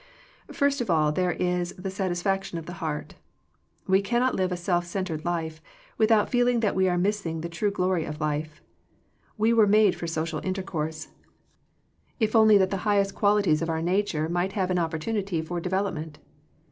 First of all there is the satisfaction of the heart We cannot live a self centred life, without feeling that we are missing the true glory of life. We were made for social intercourse, if only that the 65 Digitized by VjQOQIC THE FRUITS OF FRIENDSHIP highest qualities of 'our nature might have an opportunity for development.